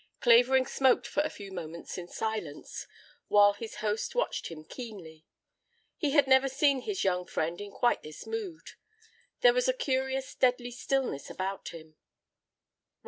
Clavering smoked for a few moments in silence, while his host watched him keenly. He had never seen his young friend in quite this mood. There was a curious deadly stillness about him.